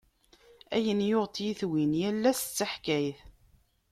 Ayen yuɣ n tiytiwin, yal ass d taḥkayt.